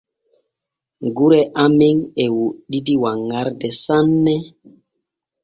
Gure amen e woɗɗidi wanŋarde sanne.